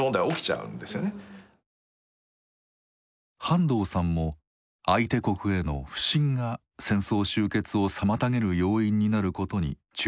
半藤さんも相手国への「不信」が戦争終結を妨げる要因になることに注目していました。